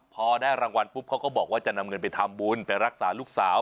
พอได้รางวัลปุ๊บเขาก็บอกว่าจะนำเงินไปทำบุญไปรักษาลูกสาว